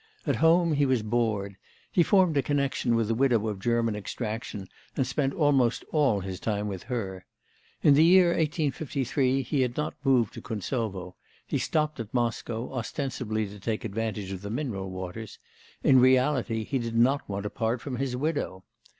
At home he was bored; he formed a connection with a widow of German extraction, and spent almost all his time with her. In the year 1853 he had not moved to Kuntsovo; he stopped at Moscow, ostensibly to take advantage of the mineral waters; in reality, he did not want to part from his widow.